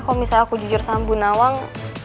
kalau misalnya aku jujur sama bu nawang